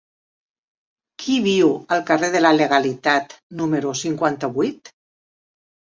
Qui viu al carrer de la Legalitat número cinquanta-vuit?